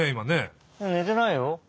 ねてないよ。